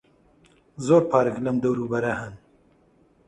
زۆر پارک لەم دەوروبەرە هەن.